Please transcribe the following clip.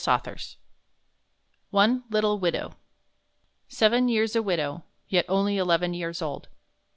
Brown_. ONE LITTLE WIDOW Seven years a widow, yet only eleven years old!